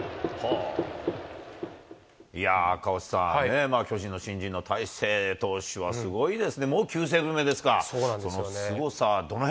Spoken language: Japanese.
赤星さん、巨人の新人の大勢投手はすごいですね、もう９セーブ目ですか。